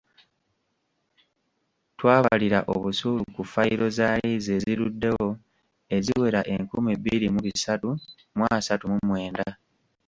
Twabalira obusuulu ku fayiro za liizi eziruddewo eziwera enkumi bbiri mu bisatu mu asatu mu mwenda.